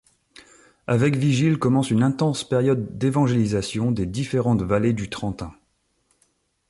Avec Vigile commence une intense période d'évangélisation des différentes vallées du Trentin.